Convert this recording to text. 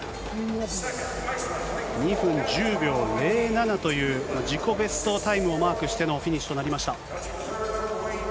２分１０秒０７という自己ベストタイムをマークしてのフィニッシュとなりました。